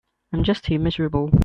I'm just too miserable.